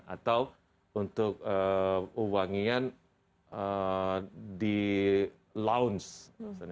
atau untuk wangian di lounge